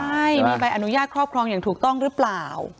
ใช่มีใบอนุญาตครอบครองอย่างถูกต้องหรือเปล่า